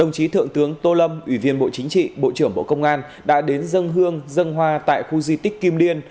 chí thượng tướng tô lâm ủy viên bộ chính trị bộ trưởng bộ công an đã đến dâng hương dâng hoa tại khu di tích kim liên